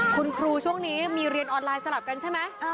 คุณครูช่วงนี้มีเรียนออนไลน์สลับกันใช่ไหม